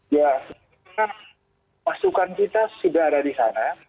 ya pasukan kita sudah ada di sana